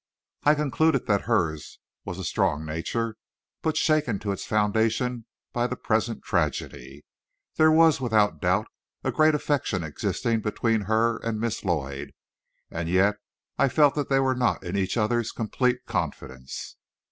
I concluded that hers was a strong nature, but shaken to its foundation by the present tragedy. There was, without doubt, a great affection existing between her and Miss Lloyd, and yet I felt that they were not in each other's complete confidence.